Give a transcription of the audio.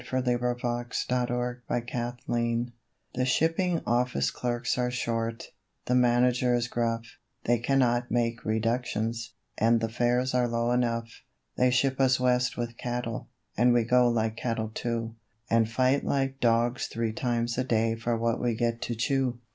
THE BURSTING OF THE BOOM The shipping office clerks are 'short,' the manager is gruff 'They cannot make reductions,' and 'the fares are low enough.' They ship us West with cattle, and we go like cattle too; And fight like dogs three times a day for what we get to chew....